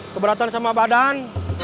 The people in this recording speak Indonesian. keberatan sama badan